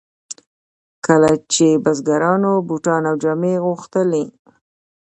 کله به چې بزګرانو بوټان او جامې غوښتلې.